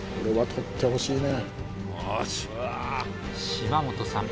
島本さん